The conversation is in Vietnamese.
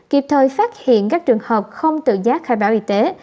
kịp thời phát hiện các trường hợp không tự giác khai báo y tế